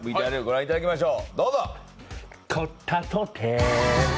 ＶＴＲご覧いただきましょう。